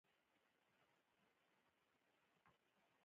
افغانستان د کلیو له امله نړیوال شهرت لري.